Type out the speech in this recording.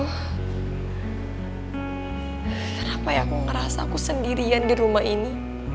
kenapa ya aku ngerasa aku sendirian di rumah ini